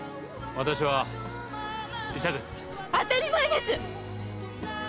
私は医者です当たり前です！